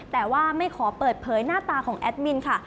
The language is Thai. แต่ว่าไม่ขอเปิดเผยหน้าตาของแอดมินค่ะ